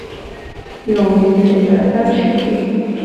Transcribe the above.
有明显的干湿季。